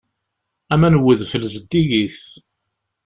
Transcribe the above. Aman n udfel zeddigit.